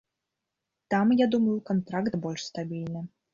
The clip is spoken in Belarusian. Там, я думаю, кантракт больш стабільны.